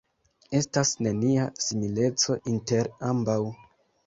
Estas nenia simileco inter ambaŭ.